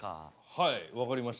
はい分かりました。